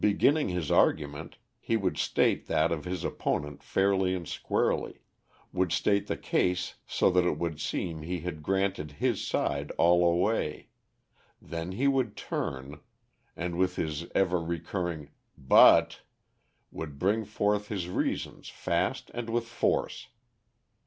Beginning his argument, he would state that of his opponent fairly and squarely would state the case so that it would seem he had granted his side all away, then he would turn, and with his ever recurring "but" would bring forth his reasons fast and with force.